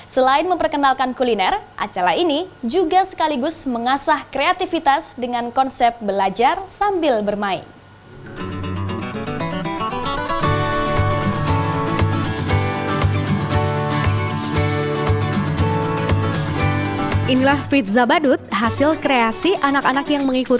selain memperkenalkan kuliner acara ini juga sekaligus mengasah kreativitas dengan konsep belajar sambil bermain